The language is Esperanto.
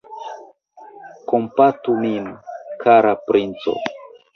Kompatu min, kara princo!